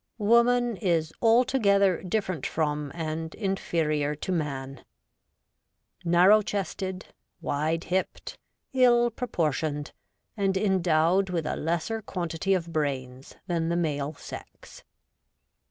Woman is altogether different from and inferior to man: narrow chested, wide hipped, ill propor tioned, and endowed with a lesser quantity of brains than the male sex.